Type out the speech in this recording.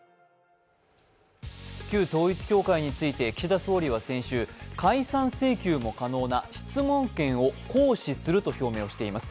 旧統一教会について岸田総理は解散請求も可能な質問権を行使すると表明しています。